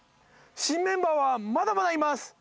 新メンバーはまだまだいます！